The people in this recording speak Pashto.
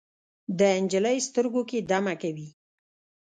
د نجلۍ سترګو کې دمه کوي